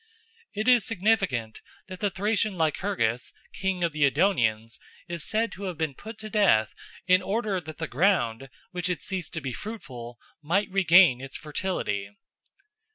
It is significant that the Thracian Lycurgus, king of the Edonians, is said to have been put to death in order that the ground, which had ceased to be fruitful, might regain its fertility.